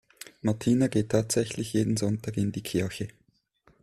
Martina geht tatsächlich jeden Sonntag in die Kirche.